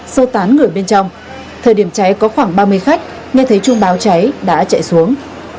sơ tán người bên trong thời điểm cháy có khoảng ba mươi khách nghe thấy chuông báo cháy đã chạy xuống